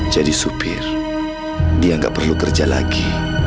jadi supir dia nggak perlu kerja lagi